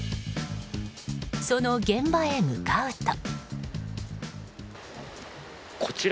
その現場へ向かうと。